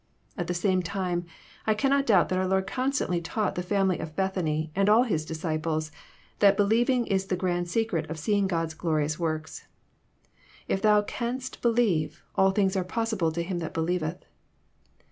At the same time I cannot doubt that our Lord constantly taught the family of Bethany and all His disciples, that believing is the grand secret of seeing God's glorious works. —If thou canst believe, all things are possible to him tliat believeth."